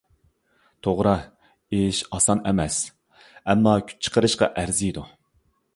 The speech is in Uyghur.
توغرا، ئىش ئاسان ئەمەس، ئەمما كۈچ چىقىرىشقا ئەرزىيدۇ.